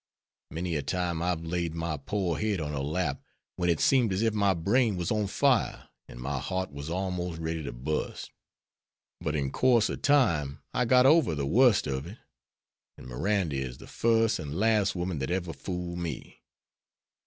Many a time I've laid my poor head on her lap, when it seemed as if my brain was on fire and my heart was almost ready to burst. But in course of time I got over the worst of it; an' Mirandy is the first an' last woman that ever fooled me.